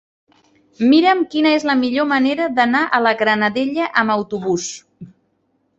Mira'm quina és la millor manera d'anar a la Granadella amb autobús.